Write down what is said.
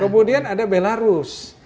kemudian ada belarus